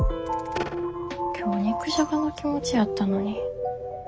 今日肉じゃがの気持ちやったのに。